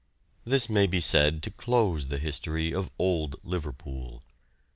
This may be said to close the history of "old" Liverpool.